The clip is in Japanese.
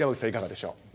いかがでしょう。